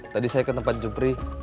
tadi saya ke tempat jupri